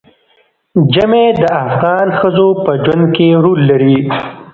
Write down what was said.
ژمی د افغان ښځو په ژوند کې رول لري.